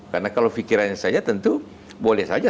karena kalau pikirannya saja tentu boleh saja